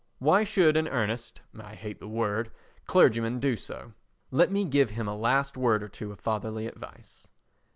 Why should An Earnest (I hate the word) Clergyman do so? Let me give him a last word or two of fatherly advice.